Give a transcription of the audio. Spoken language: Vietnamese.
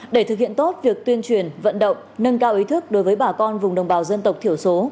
để thực hiện tốt việc tuyên truyền vận động nâng cao ý thức đối với bà con vùng đồng bào dân tộc thiểu số